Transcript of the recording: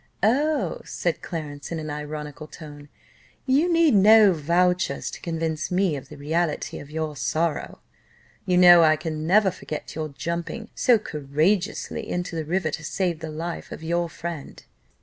"Oh," said Clarence, in an ironical tone, "you need no vouchers to convince me of the reality of your sorrow. You know I can never forget your jumping so courageously into the river, to save the life of your friend."